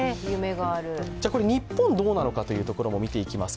日本はどうなのかというところも見ていきます